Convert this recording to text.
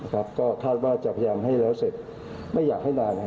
ก็คาดว่าจะพยายามให้แล้วเสร็จไม่อยากให้นาน